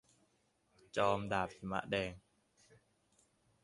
จอมดาบหิมะแดง